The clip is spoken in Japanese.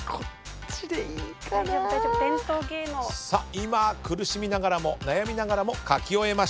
今苦しみながらも悩みながらも書き終えました。